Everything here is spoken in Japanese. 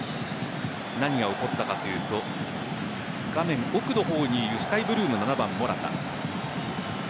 何が起こったかというと画面奥の方にいるスカイブルーの７番・モラタ。